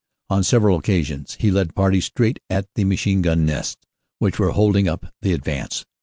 On several occasions he led parties straight at the machine gun nests, which were holding up the advance.